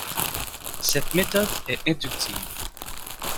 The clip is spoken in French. Cette méthode est inductive.